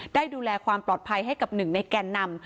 ได้ดูแลความปลอดภัยให้กับหนึ่งในแกนนำ